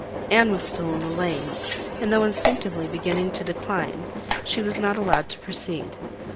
Anne was still in the lane; and though instinctively beginning to decline, she was not allowed to proceed.